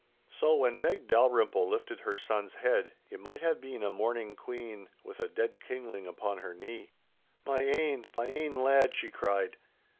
So when Meg Dalrymple lifted her son's head, it might have been a mourning queen with a dead kingling upon her knee. 'My ain, my ain lad!' she cried.